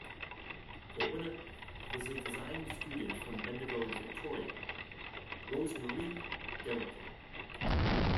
The winner was a design student from Bendigo in Victoria, Rose-Marie Derrico.